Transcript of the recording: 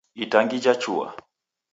Itangi ja chua